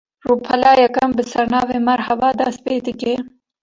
Rûpela yekem, bi sernavê "Merhaba" dest pê dike